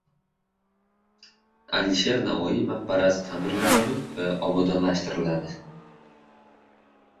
Alisher Navoiy maqbarasi ta’mirlanadi va obodonlashtiriladi